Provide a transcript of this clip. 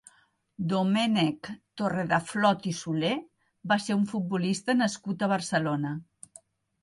Domènec Torredeflot i Solé va ser un futbolista nascut a Barcelona.